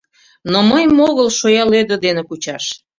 Но мыйым огыл шоя лӧдӧ дене кучаш!